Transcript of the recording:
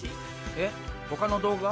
えっほかの動画？